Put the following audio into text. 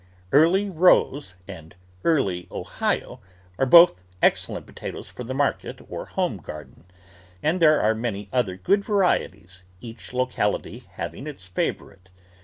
Early Rose and Early Ohio are both excellent potatoes for the market or home garden, and there are many other good varieties, each locality having its favourite.